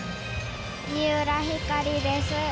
みうらひかりです。